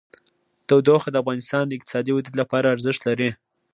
تودوخه د افغانستان د اقتصادي ودې لپاره ارزښت لري.